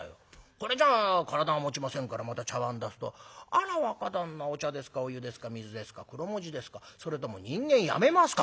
これじゃ体がもちませんからまた茶わん出すと『あら若旦那お茶ですかお湯ですか水ですかクロモジですかそれとも人間やめますか』